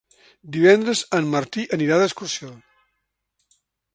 Divendres en Martí anirà d'excursió.